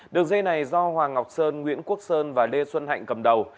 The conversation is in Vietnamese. đường dây này do hoàng ngọc sơn nguyễn quốc sơn và lê xuân hạnh cầm đầu